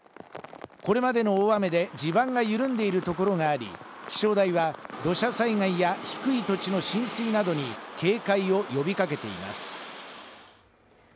これまでの大雨で地盤が緩んでいるところがあり、気象台は土砂災害や低い土地の浸水などに警戒を呼びかけています